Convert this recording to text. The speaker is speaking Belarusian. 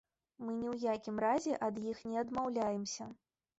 Мы ні ў якім разе ад іх не адмаўляемся.